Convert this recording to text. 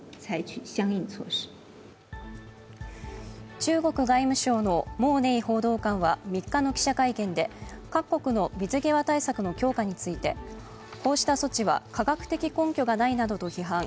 中国外務省の毛寧報道官は３日の記者会見で、各国の水際対策の強化についてこうした措置は科学的根拠がないなどと批判。